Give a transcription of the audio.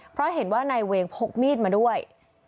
เพราะเห็นว่านายเวงพกมีดมาด้วย